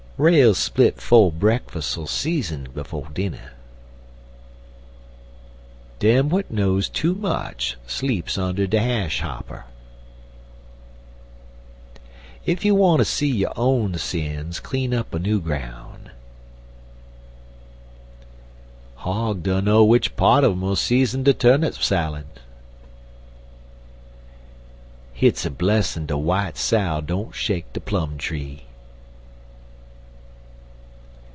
Rails split 'fo' bre'kfus'll season de dinner. Dem w'at knows too much sleeps under de ash hopper. Ef you wanter see yo' own sins, clean up a new groun'. Hog dunner w'ich part un 'im'll season de turnip salad. Hit's a blessin' de w'ite sow don't shake de plum tree.